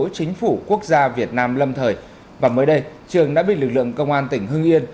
chính phủ quốc gia việt nam lâm thời và mới đây trường đã bị lực lượng công an tỉnh hưng yên